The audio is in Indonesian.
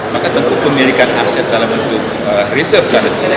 maka tentu pemilikan aset dalam bentuk reserve